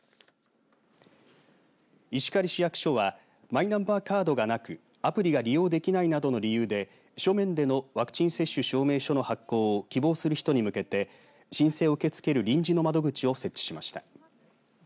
石狩市役所はマイナンバーカードがなくアプリが利用できないなどの理由で書面でのワクチン接種証明書の発行を希望する人に向けて申請を受け付ける臨時の窓口を設置しました。